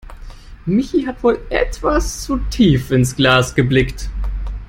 Michi hat wohl etwas zu tief ins Glas geblickt.